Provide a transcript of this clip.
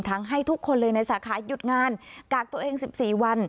ให้ทุกคนเลยในสาขายุดงานกากตัวเอง๑๔วัน